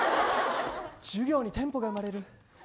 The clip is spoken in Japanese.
授業にリズムが生まれる。